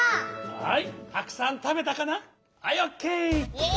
はい！